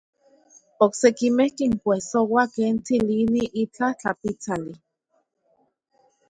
Oksekimej kinkuejsoa ken tsilini itlaj tlapitsali.